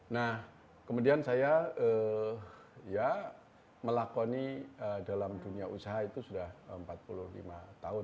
nah kemudian saya ya melakoni dalam dunia usaha itu sudah empat puluh lima tahun